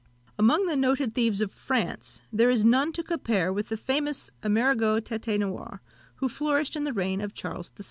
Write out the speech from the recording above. Among the noted thieves of France, there is none to compare with the famous Aimerigot Têtenoire, who flourished in the reign of Charles VI.